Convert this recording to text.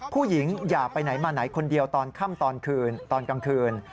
ผู้หญิงอย่าไปไหนมาไหนคนเดียวตอนค่ำตอนกลางคืน